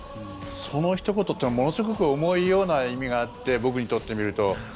そのひと言っていうのはものすごく重いような意味があって僕にとってみると。